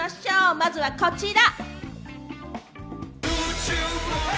まずはこちら！